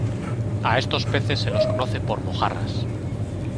A estos peces se los conoce por mojarras.